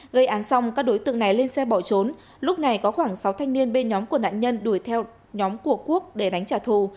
gây án xong các đối tượng này lên xe bỏ trốn lúc này có khoảng sáu thanh niên bên nhóm của nạn nhân đuổi theo nhóm của quốc để đánh trả thù